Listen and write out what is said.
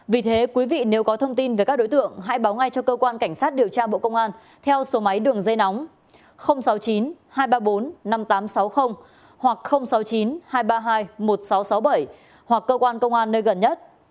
vì thế quý vị nếu có thông tin về các đối tượng hãy báo ngay cho cơ quan cảnh sát điều tra bộ công an theo số máy đường dây nóng sáu mươi chín hai trăm ba mươi bốn năm nghìn tám trăm sáu mươi hoặc sáu mươi chín hai trăm ba mươi hai một nghìn sáu trăm sáu mươi bảy hoặc cơ quan công an nơi gần nhất